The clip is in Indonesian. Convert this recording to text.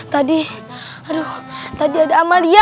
tadi aduh tadi ada amalia